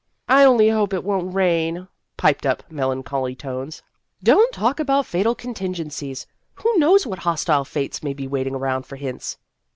" I only hope it won't rain," piped up melancholy tones. " Don't talk about 'fatal contingencies. Who knows what hostile fates may be waiting around for hints?"